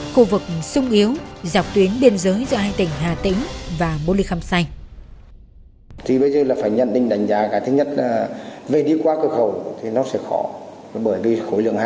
khu vực sung yếu dọc tuyến biên giới giữa hai tỉnh hà tĩnh và mô lê khăm sành